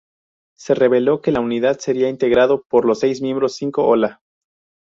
Se reveló que la unidad sería integrado por seis miembros: cinco Hola!